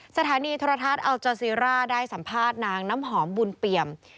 สถานีโทรทัศน์อัลจอซีร่าได้สัมภาษณ์นางน้ำหอมบุญเปี่ยม